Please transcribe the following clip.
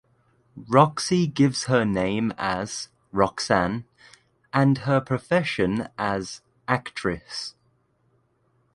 Roxy gives her name as "Roxane" and her profession as "actress".